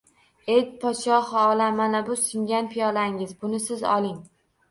Ey, podshohi olam, mana bu singan piyolangiz, buni siz oling